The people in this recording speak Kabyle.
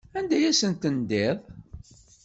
Anda ay asen-tendiḍ?